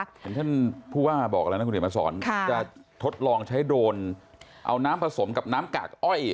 ท่านผู้ว่าบอกแล้วนะคุณเดี๋ยวมาสอนจะทดลองใช้โดรนเอาน้ำผสมกับน้ำกากอ้อย